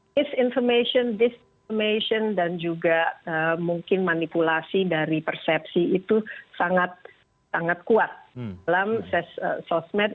misinformation disformation dan juga mungkin manipulasi dari persepsi itu sangat kuat dalam sosmed